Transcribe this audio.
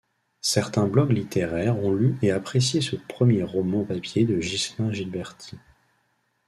Certains blogs littéraires ont lu et apprécié ce premier roman papier de Ghislain Gilberti.